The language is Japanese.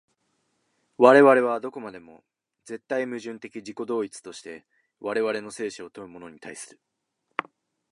我々はどこまでも絶対矛盾的自己同一として我々の生死を問うものに対する。